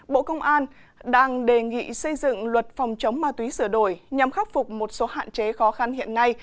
bộ công an đang đề nghị xây dựng luật phòng chống ma túy sửa đổi nhằm khắc phục một số hạn chế khó khăn hiện nay